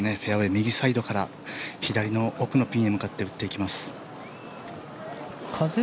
右サイドから左の奥のピンへ打っていきます。